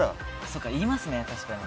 そうか、言いますね、確かに。